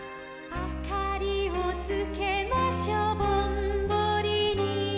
「あかりをつけましょぼんぼりに」